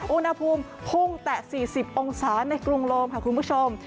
อุณหภูมิพุ่งแต่๔๐องศาในกรุงโลมค่ะคุณผู้ชม